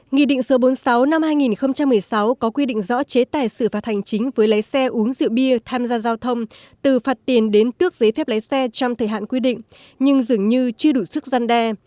nghị định số bốn mươi sáu năm hai nghìn một mươi sáu có quy định rõ chế tài xử và hành chính với lái xe uống rượu bia tham gia giao thông từ phạt tiền đến tước giấy phép lấy xe trong thời hạn quy định nhưng dường như chưa đủ sức gian đe